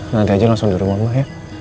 nanti aja langsung di rumahmu ya